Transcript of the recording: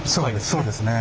そうですね。